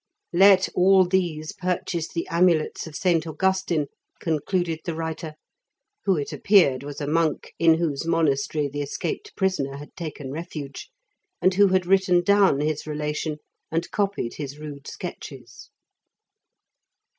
Let all these purchase the amulets of St. Augustine, concluded the writer, who it appeared was a monk in whose monastery the escaped prisoner had taken refuge, and who had written down his relation and copied his rude sketches.